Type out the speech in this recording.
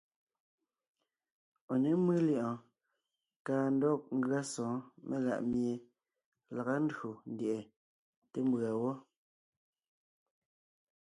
Ɔ̀ ně mʉ́ lyɛ̌ʼɔɔn káa ndɔg ngʉa sɔ̌ɔn melaʼmie laga ndÿò ndyɛʼɛ té mbʉ̀a wɔ́.